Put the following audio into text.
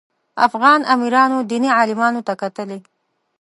افغان امیرانو دیني عالمانو ته کتلي.